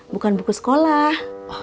bukan buku sekolah